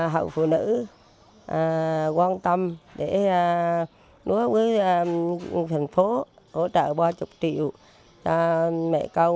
hội phụ nữ quan tâm để nối với thành phố hỗ trợ ba mươi triệu cho mẹ con